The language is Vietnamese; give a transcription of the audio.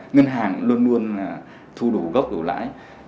ngân hàng luôn luôn thu đủ gốc đủ lãi